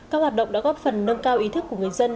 các hoạt động đã góp phần nâng cao ý thức của người dân